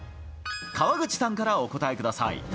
川口さんからお答えください。